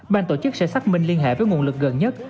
ban tổ chức sẽ xác minh liên hệ với nguồn lực gần nhất